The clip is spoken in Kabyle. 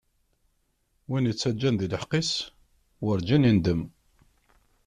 Win ittaǧǧan di leḥqq-is, werǧin indem.